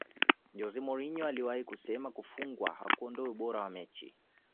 jose mourinho aliwahi kusema kufungwa hakuondoi ubora wa mechi